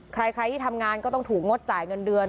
ใครที่ทำงานก็ต้องถูกงดจ่ายเงินเดือน